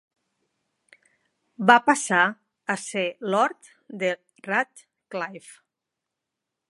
Va passar a ser lord de Radcliffe.